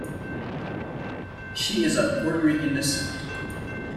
She is of Puerto Rican descent.